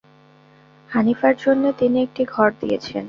হানিফার জন্যে তিনি একটি ঘর দিয়েছেন।